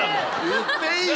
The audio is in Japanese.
言っていいよ。